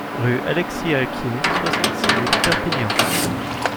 Rue Alexis Alquier, soixante-six mille Perpignan